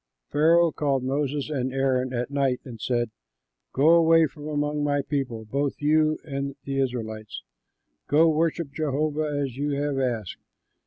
Pharaoh called Moses and Aaron at night and said, "Go away from among my people, both you and the Israelites; go, worship Jehovah as you have asked.